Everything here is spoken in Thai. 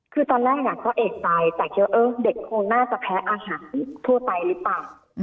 คือตอนแรกก็เอกใจแต่คิดว่าเด็กคงน่าจะแพ้อาหารทั่วไปหรือเปล่า